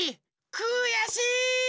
くやしい！